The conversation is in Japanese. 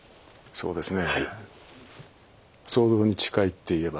そうですか。